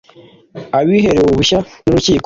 abiherewe uruhushya n urukiko